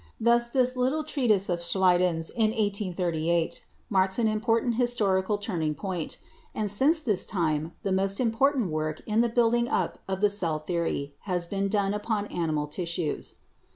Thus this little treatise of Schleiden's in 1838 marks an important his torical turning point, and since this time the most impor tant work in the building up of the cell theory has been done upon animal tissues.